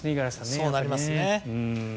そうなりますね。